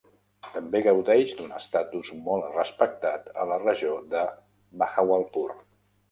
També gaudeix d'un estatus molt respectat a la regió de Bahawalpur.